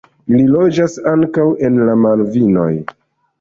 Ili loĝas ankaŭ en la Malvinoj.